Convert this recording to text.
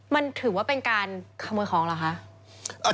มันถือว่าเป็นการขโมยของเหรอคะ